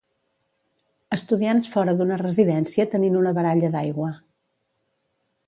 Estudiants fora d'una residència tenint una baralla d'aigua.